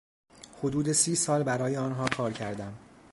حدود سی سال برای آنها کار کردم.